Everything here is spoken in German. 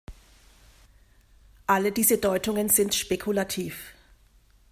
Alle diese Deutungen sind spekulativ.